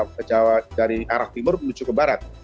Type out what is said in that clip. kiriman dari jawa dari arah timur menuju ke barat